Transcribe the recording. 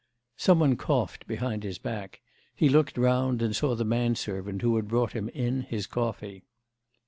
Some one coughed behind his back; he looked round and saw the manservant who had brought him in his coffee.